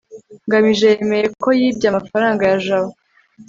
ngamije yemeye ko yibye amafaranga ya jabo